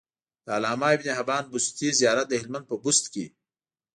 د علامه ابن حبان بستي زيارت د هلمند په بست کی